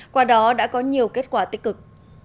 qua đó đã có nhiều kết quả tích cực